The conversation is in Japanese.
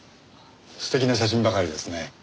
素敵な写真ばかりですね。